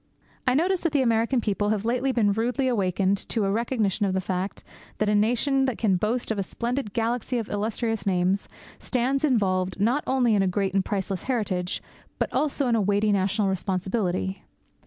I notice that the American people have lately been rudely awakened to a recognition of the fact that a nation that can boast of a splendid galaxy of illustrious names stands involved, not only in a great and priceless heritage, but also in a weighty national responsibility.